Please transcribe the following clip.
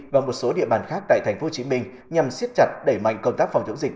và một số địa bàn khác tại tp hcm nhằm siết chặt đẩy mạnh công tác phòng chống dịch